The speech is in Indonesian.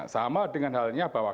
sama dengan halnya bahwa